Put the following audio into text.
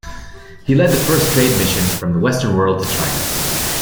He led the first trade mission from the Western world to China.